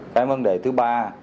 cái vấn đề thứ ba